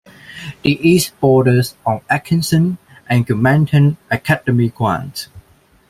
The east borders on Atkinson and Gilmanton Academy Grant.